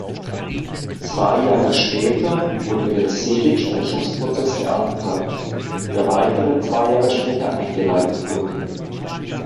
Zwei Jahre später wurde der Seligsprechungsprozess beantragt, der weitere zwei Jahre später eingeleitet wurde.